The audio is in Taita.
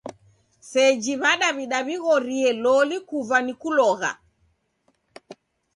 Seji W'adaw'ida w'ighorie loli kuva ni kulogha.